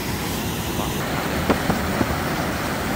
Wann hat der Pub geöffnet?